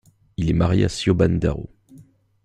Il est marié à Siobhan Darrow.